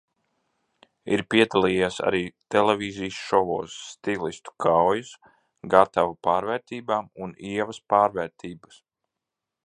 "Ir piedalījies arī televīzijas šovos – "Stilistu kaujas", "Gatava pārvērtībām" un "Ievas pārvērtības"."